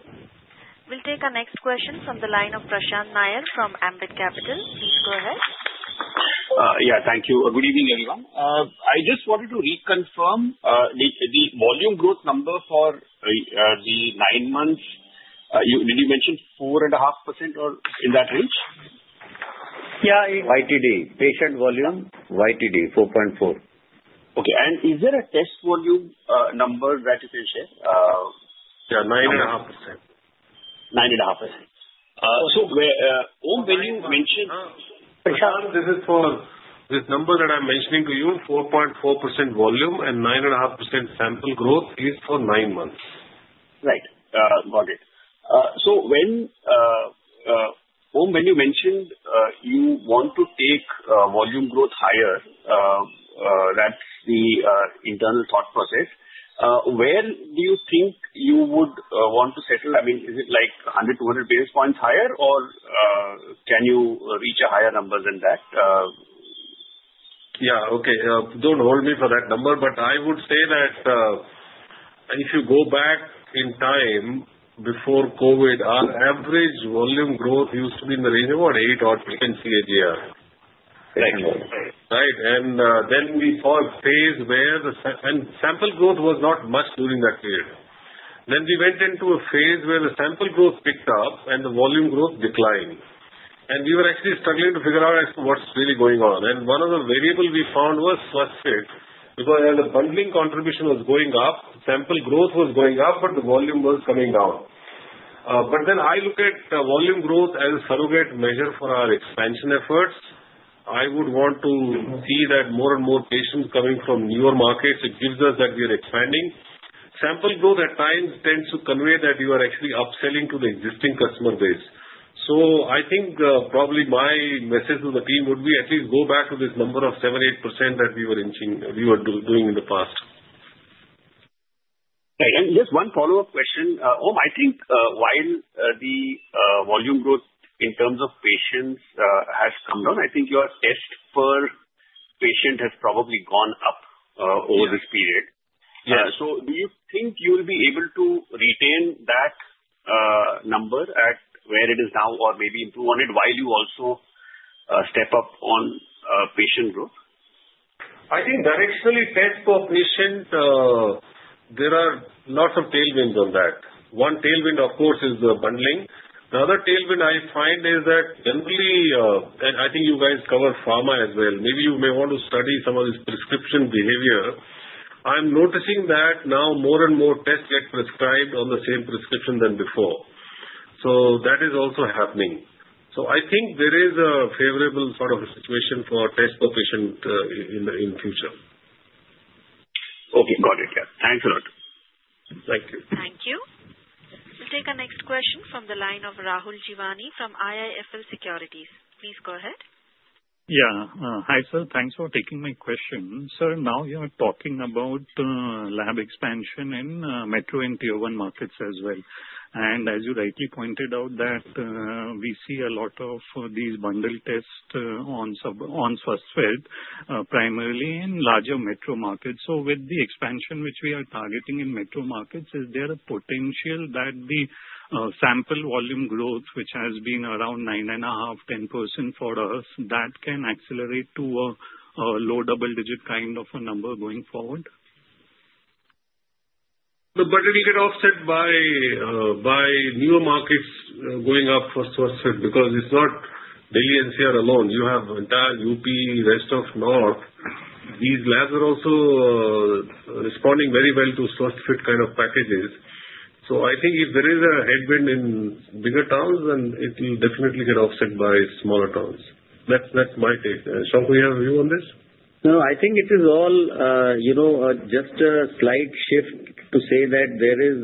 We'll take our next question from the line of Prasanth Nair from Ambit Capital. Please go ahead. Yeah. Thank you. Good evening, everyone. I just wanted to reconfirm the volume growth number for the nine months. Did you mention 4.5% or in that range? Yeah. YTD. Patient volume, YTD, 4.4. Okay. Is there a test volume number that you can share? Yeah. 9.5%. 9.5%. So when you mentioned. Prashanth, this is for this number that I'm mentioning to you, 4.4% volume and 9.5% sample growth is for nine months. Right. Got it. So when you mentioned you want to take volume growth higher, that's the internal thought process. Where do you think you would want to settle? I mean, is it like 100, 200 basis points higher, or can you reach a higher number than that? Yeah. Okay. Don't hold me for that number, but I would say that if you go back in time before COVID, our average volume growth used to be in the range of about eight or 10 CAGR. Thank you. Right, and then we saw a phase where the sample growth was not much during that period. Then we went into a phase where the sample growth picked up and the volume growth declined, and we were actually struggling to figure out what's really going on, and one of the variables we found was Swasthfit. Because as the bundling contribution was going up, sample growth was going up, but the volume was coming down. But then I look at volume growth as a surrogate measure for our expansion efforts. I would want to see that more and more patients coming from newer markets, it gives us that we are expanding. Sample growth at times tends to convey that you are actually upselling to the existing customer base. So I think probably my message to the team would be at least go back to this number of 7%-8% that we were doing in the past. Right. Just one follow-up question. Om, I think while the volume growth in terms of patients has come down, I think your test per patient has probably gone up over this period. Yes. Yeah. So do you think you'll be able to retain that number at where it is now or maybe improve on it while you also step up on patient growth? I think directionally test per patient, there are lots of tailwinds on that. One tailwind, of course, is the bundling. The other tailwind I find is that generally, and I think you guys cover pharma as well, maybe you may want to study some of this prescription behavior. I'm noticing that now more and more tests get prescribed on the same prescription than before. So that is also happening. So I think there is a favorable sort of situation for test per patient in the future. Okay. Got it. Yeah. Thanks a lot. Thank you. Thank you. We'll take our next question from the line of Rahul Jeewani from IIFL Securities. Please go ahead. Yeah. Hi, sir. Thanks for taking my question. Sir, now you're talking about lab expansion in metro and Tier 1 markets as well. And as you rightly pointed out, that we see a lot of these bundle tests on Swasthfit, primarily in larger metro markets. So with the expansion which we are targeting in metro markets, is there a potential that the sample volume growth, which has been around 9.5%-10% for us, that can accelerate to a low double-digit kind of a number going forward? But it will get offset by newer markets going up for Swasthfit. Because it's not Delhi and NCR alone. You have entire UP, rest of North. These labs are also responding very well to Swasthfit kind of packages. So I think if there is a headwind in bigger towns, then it will definitely get offset by smaller towns. That's my take. Shankha, you have a view on this? No. I think it is all just a slight shift to say that there is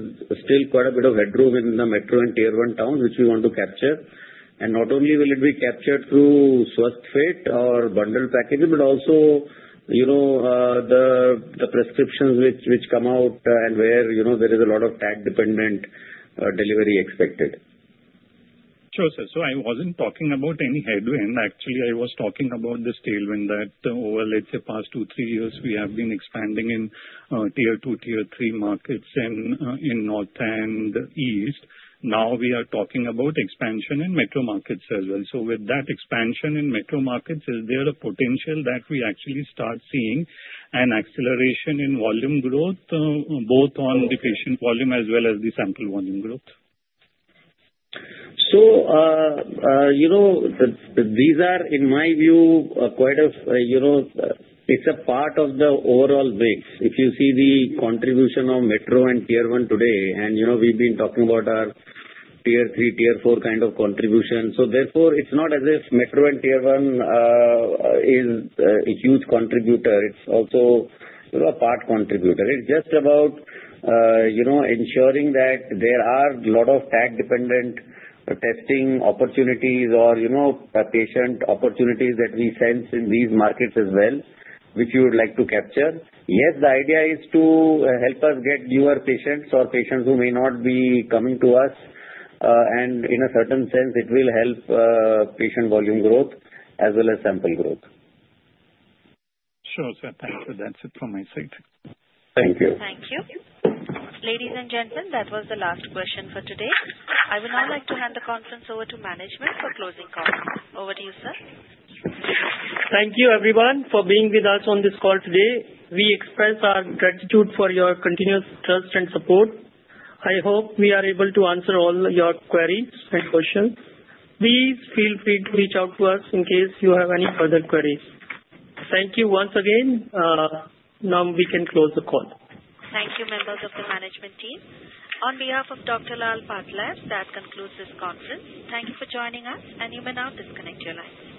still quite a bit of headroom in the metro and Tier 1 towns which we want to capture. Not only will it be captured through Swasthfit or bundle packaging, but also the prescriptions which come out and where there is a lot of tag-dependent delivery expected. Sure, sir. So I wasn't talking about any headwind. Actually, I was talking about this tailwind that over, let's say, the past two, three years, we have been expanding in Tier 2, Tier 3 markets in North and East. Now we are talking about expansion in metro markets as well. So with that expansion in metro markets, is there a potential that we actually start seeing an acceleration in volume growth, both on the patient volume as well as the sample volume growth? So these are, in my view, quite. It's a part of the overall mix. If you see the contribution of metro and Tier 1 today, and we've been talking about our Tier 3, Tier 4 kind of contribution, so therefore, it's not as if metro and Tier 1 is a huge contributor. It's also a part contributor. It's just about ensuring that there are a lot of lab-dependent testing opportunities or patient opportunities that we sense in these markets as well, which we would like to capture. Yes, the idea is to help us get newer patients or patients who may not be coming to us, and in a certain sense, it will help patient volume growth as well as sample growth. Sure, sir. Thanks. That's it from my side. Thank you. Thank you. Ladies and gentlemen, that was the last question for today. I would now like to hand the conference over to management for closing call. Over to you, sir. Thank you, everyone, for being with us on this call today. We express our gratitude for your continuous trust and support. I hope we are able to answer all your queries and questions. Please feel free to reach out to us in case you have any further queries. Thank you once again. Now we can close the call. Thank you, members of the management team. On behalf of Dr. Lal PathLabs, that concludes this conference. Thank you for joining us, and you may now disconnect your lines.